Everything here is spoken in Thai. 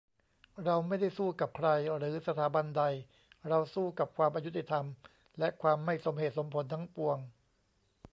"เราไม่ได้สู้กับใคร หรือสถาบันใด เราสู้กับความอยุติธรรมและความไม่สมเหตุสมผลทั้งปวง"